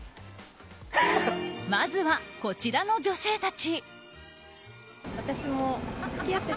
まずはこちらの女性たち。